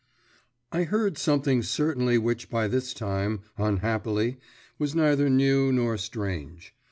I heard something certainly which by this time, unhappily, was neither new nor strange.